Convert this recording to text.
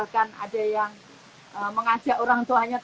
kan ada yang mengajak orang tuanya